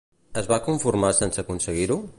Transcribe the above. Es va conformar sense aconseguir-ho?